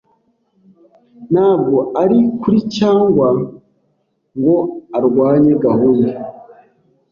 Ntabwo ari kuri cyangwa ngo arwanye gahunda.